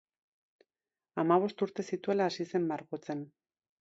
Hamabost urte zituela hasi zen margotzen.